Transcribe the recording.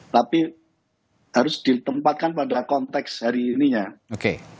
tapi harus ditempatkan pada konteks hari ini ya